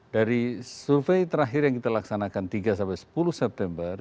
dari survei terakhir yang kita laksanakan tiga sampai sepuluh september